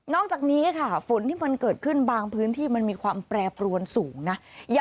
อกจากนี้ค่ะฝนที่มันเกิดขึ้นบางพื้นที่มันมีความแปรปรวนสูงนะ